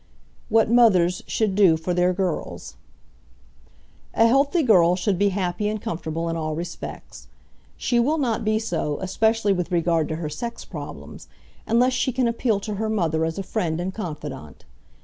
WHAT MOTHERS SHOULD DO FOR THEIR GIRLS A healthy girl should be happy and comfortable in all respects. She will not be so, especially with regard to her sex problems, unless she can appeal to her mother as a friend and confidant.